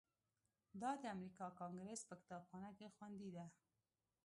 دا د امریکا کانګریس په کتابخانه کې خوندي ده.